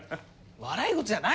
笑い事じゃないっすよ！